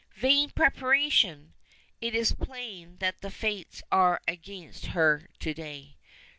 Vain preparation! It is plain that the fates are against her to day.